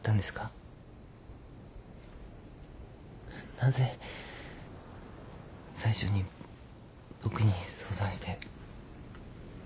なぜ最初に僕に相談して。